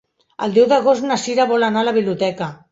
El deu d'agost na Sira vol anar a la biblioteca.